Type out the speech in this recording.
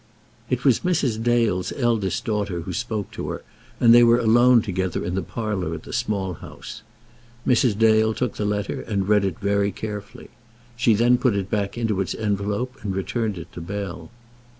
It was Mrs. Dale's eldest daughter who spoke to her, and they were alone together in the parlour at the Small House. Mrs. Dale took the letter and read it very carefully. She then put it back into its envelope and returned it to Bell.